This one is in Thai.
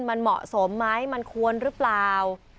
มันเหมาะสมไหมมันควรหรือเปล่า